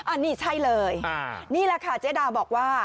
อันนี้ใช่เลยนี่แหละค่ะเจ๊ดาบอกว่า